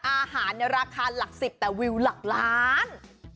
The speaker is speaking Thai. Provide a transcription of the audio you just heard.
อาหารราคาหลัก๑๐แต่วิวหลักล้าน